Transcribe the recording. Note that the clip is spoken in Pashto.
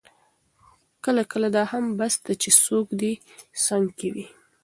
کله کله دا هم بس ده چې څوک دې څنګ کې وي.